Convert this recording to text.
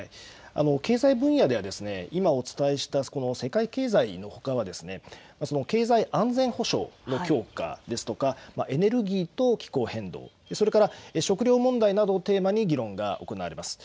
経済分野では今お伝えした世界経済のほかは経済、安全保障の強化ですとかエネルギーと気候変動、それから食料問題などをテーマに議論が行われます。